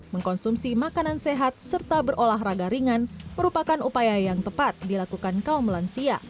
mengkonsumsi makanan sehat serta berolahraga ringan merupakan upaya yang tepat dilakukan kaum lansia